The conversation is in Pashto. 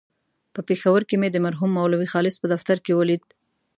په پېښور کې مې د مرحوم مولوي خالص په دفتر کې ولید.